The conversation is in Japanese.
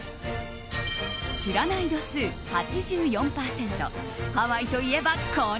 知らない度数８４％ハワイといえばこれ！